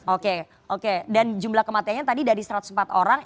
oke oke dan jumlah kematiannya tadi dari satu ratus empat orang